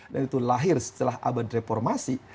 dan itu lahir setelah abad reformasi